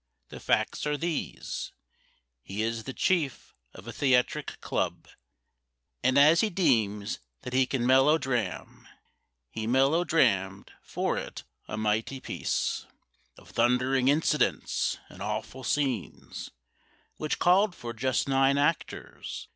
The facts are these: He is the chief of a theatric club, And as he deems that he can melodram, He melodrammed for it a mighty piece Of thundering incidents and awful scenes, Which called for just nine actors.